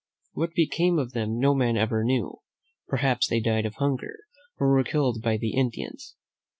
What became of them no man ever knew. Perhaps they died of hunger or were killed by the Indians.